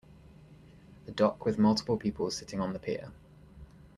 A dock with multiple people sitting on the pier.